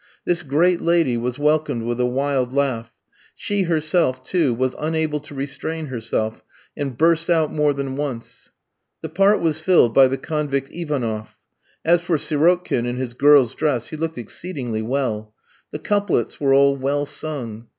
This great lady was welcomed with a wild laugh; she herself, too, was unable to restrain herself, and burst out more than once. The part was filled by the convict Ivanoff. As for Sirotkin, in his girl's dress, he looked exceedingly well. The couplets were all well sung.